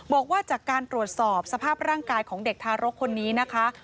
บอกว่าจากการตรวจสอบสภาพร่างกายของเด็กทารกคนนี้นะคะ